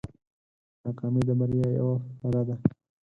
ناکامي د بریا یوه پله ده.